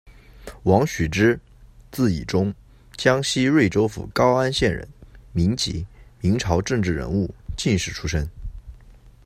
王许之，字以忠，江西瑞州府高安县人，民籍，明朝政治人物、进士出身。